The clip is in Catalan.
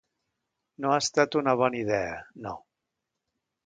No ha estat una bona idea, no.